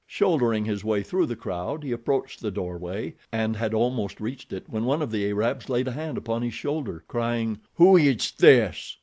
Shouldering his way through the crowd he approached the doorway, and had almost reached it when one of the Arabs laid a hand upon his shoulder, crying: "Who is this?"